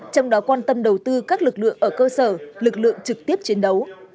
trong đó quan tâm đầu tư các lực lượng ở cơ sở lực lượng trực tiếp chiến đấu